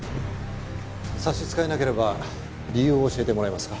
差し支えなければ理由を教えてもらえますか？